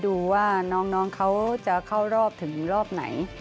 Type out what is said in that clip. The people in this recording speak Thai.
ดูว่าน้องเขาจะเข้ารอบถึงรอบไหน